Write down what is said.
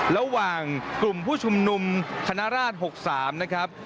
ระหว่างกลุ่มผู้ชุมนุมคณราช๖๓นะครับ